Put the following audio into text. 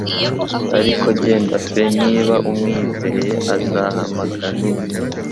Ariko genda pe niba umwizeye azahamagara.